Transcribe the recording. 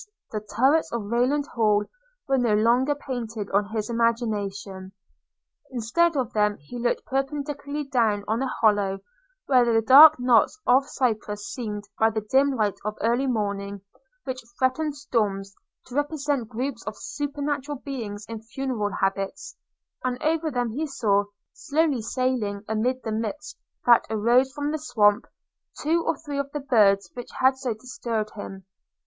the turrets of Rayland Hall were no longer painted on his imagination – instead of them he looked perpendicularly down on a hollow, where the dark knots of cypress seemed, by the dim light of early morning, which threatened storms, to represent groups of supernatural beings in funereal habits; and over them he saw, slowly sailing amid the mist that arose from the swamp, two or three of the birds which had so disturbed him.